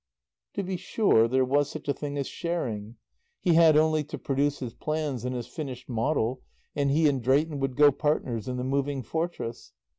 To be sure, there was such a thing as sharing. He had only to produce his plans and his finished model, and he and Drayton would go partners in the Moving Fortress.